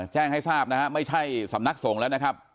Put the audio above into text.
แจ้งให้ทราบนะฮะไม่ใช่สำนักสงฆ์แล้วนะครับ